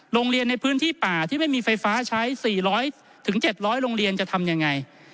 โรงเรียนในพื้นที่ป่าที่ไม่มีไฟฟ้าใช้๔๐๐๗๐๐โรงเรียนจะทำยังไง